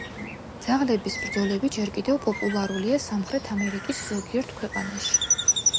ძაღლების ბრძოლები ჯერ კიდევ პოპულარულია სამხრეთ ამერიკის ზოგიერთ ქვეყანაში.